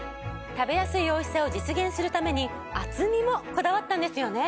食べやすいおいしさを実現するために厚みもこだわったんですよね。